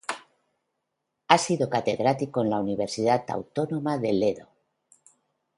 Ha sido catedrático en la Universidad Autónoma del Edo.